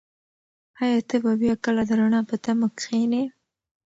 ایا ته به بیا کله د رڼا په تمه کښېنې؟